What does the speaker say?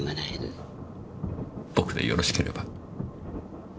僕でよろしければ。